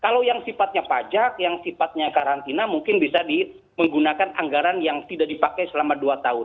kalau yang sifatnya pajak yang sifatnya karantina mungkin bisa menggunakan anggaran yang tidak dipakai selama dua tahun